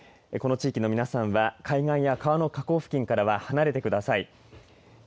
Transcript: この地域の皆さんは海岸や川の河口付近からは離れてください。